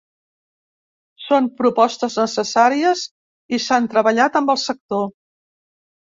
Són propostes necessàries i s’han treballat amb el sector.